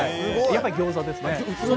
やっぱり餃子ですね。